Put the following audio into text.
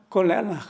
có lẽ là